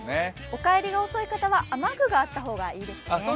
お帰りが遅い方は雨具があった方がいいですね。